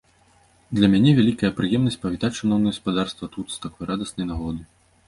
Для мяне вялікая прыемнасць павітаць шаноўнае спадарства тут з такой радаснай нагоды.